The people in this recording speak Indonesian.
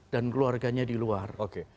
dan keluarganya di luar